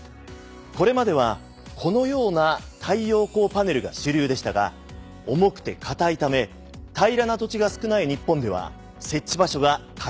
これまではこのような太陽光パネルが主流でしたが重くて硬いため平らな土地が少ない日本では設置場所が限られてきました。